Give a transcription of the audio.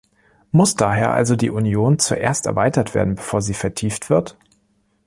Muss daher also die Union zuerst erweitert werden, bevor sie vertieft wird?